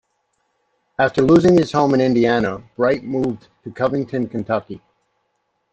After losing his home in Indiana, Bright moved to Covington, Kentucky.